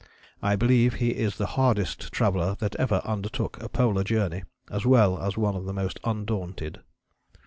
"I believe he is the hardest traveller that ever undertook a Polar Journey, as well as one of the most undaunted."